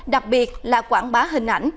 đặc biệt là quảng bá hình ảnh